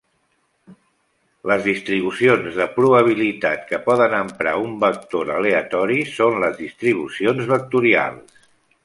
Les distribucions de probabilitat que poden emprar un vector aleatori són les distribucions vectorials.